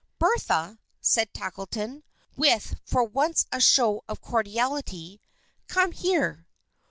"Bertha!" said Tackleton, with for once a show of cordiality, "Come here."